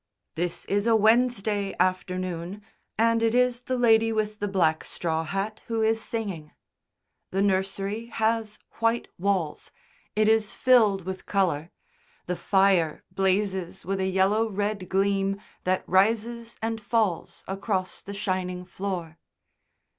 This is a Wednesday afternoon, and it is the lady with the black straw hat who is singing. The nursery has white walls it is filled with colour; the fire blazes with a yellow red gleam that rises and falls across the shining floor.